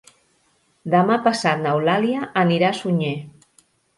Demà passat n'Eulàlia anirà a Sunyer.